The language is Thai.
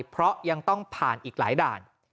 เพราะยังต้องผ่านอีกหลายด่าน